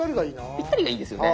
ぴったりがいいですよね。